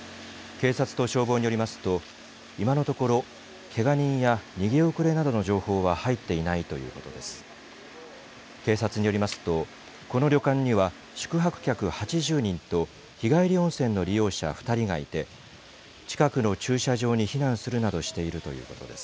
警察と消防によりますと、今のところ、けが人や逃げ遅れなどの情報は入っていないということです。